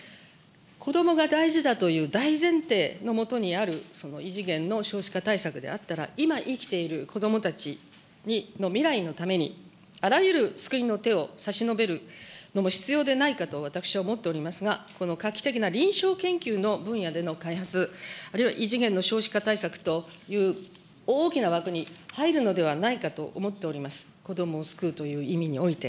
子どもが大事だという大前提のもとにある異次元の少子化対策であったら、今生きている子どもたちの未来のために、あらゆる救いの手を差し伸べるのも必要でないかと私は思っておりますが、この画期的な臨床研究の分野での開発、あるいは異次元の少子化対策という大きな枠に入るのではないかと思っております、子どもを救うという意味において。